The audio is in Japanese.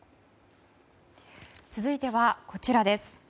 続いては、こちらです。